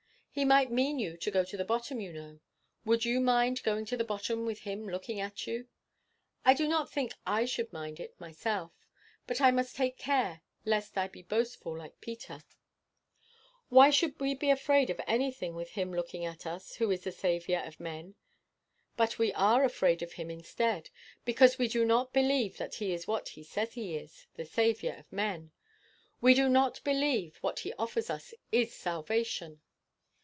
He might mean you to go to the bottom, you know. Would you mind going to the bottom with him looking at you? I do not think I should mind it myself. But I must take care lest I be boastful like Peter. "Why should we be afraid of anything with him looking at us who is the Saviour of men? But we are afraid of him instead, because we do not believe that he is what he says he is the Saviour of men. We do not believe what he offers us is salvation.